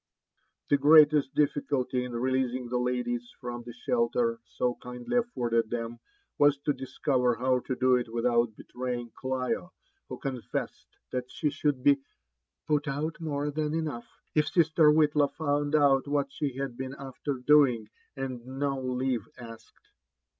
*' The greatest difficulty in releasing the ladies from the shelter so kindly afforded them, was to discover how to do it without betraying Clio, who confessed that she should be <* put out more than enough, it sister Whitlaw found out what she had been after doing and no leave asked."